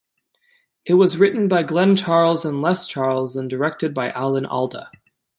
It was written by Glen Charles and Les Charles and directed by Alan Alda.